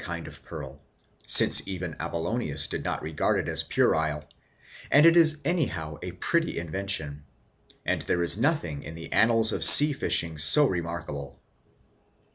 kind of pearl: since even Apollonius did not regard ΕὟΡ it as puerile, and it is anyhow a pretty invention, and 72° Peat there is nothing in the annals of sea fishing so remarkable.